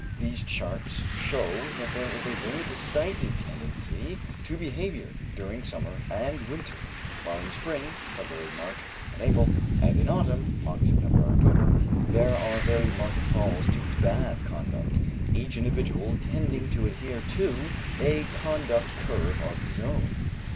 These charts show that there is a very decided tendency to good behavior during summer and winter, while in spring (February, March, and April) and in autumn (August, September and October) there are very marked falls to bad conduct, each individual tending to adhere to a conduct curve of his own.